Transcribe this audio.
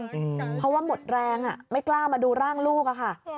เพราะว่าหมดแรงไม่กล้ามาดูร่างลูกอะค่ะ